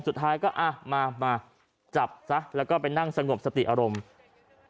สุดท้ายก็อ่ะมามาจับซะแล้วก็ไปนั่งสงบสติอารมณ์